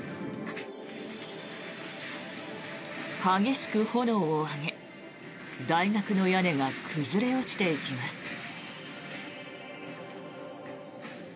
激しく炎を上げ、大学の屋根が崩れ落ちていきます。